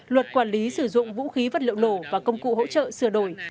luật quản lý sử dụng vũ khí vật liệu nổ và công cụ hỗ trợ sửa đổi